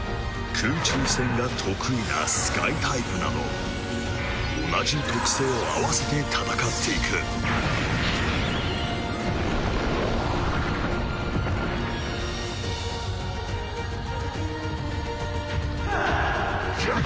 空中戦が得意なスカイタイプなど同じ特性を合わせて戦っていくテヤッ！